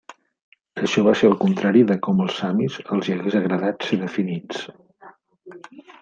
Això va ser el contrari de com els samis els hi hagués agradat ser definits.